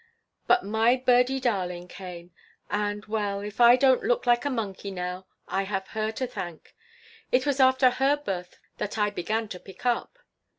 But my birdie darling came, and, well, if I don't look like a monkey now, I have her to thank. It was after her birth that I began to pick up."